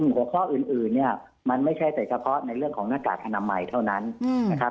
หัวข้ออื่นเนี่ยมันไม่ใช่แต่เฉพาะในเรื่องของหน้ากากอนามัยเท่านั้นนะครับ